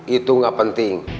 itu enggak penting